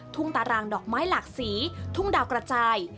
ตารางดอกไม้หลากสีทุ่งดาวกระจาย